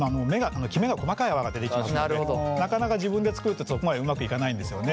きめが細かい泡が出てきますのでなかなか自分で作るとそこまでうまくいかないんですよね。